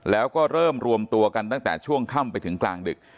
แล้วก็เริ่มรวมตัวกันตั้งแต่ช่วงค่ำไปถึงกลางดึก